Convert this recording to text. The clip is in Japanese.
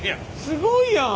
すごいやん！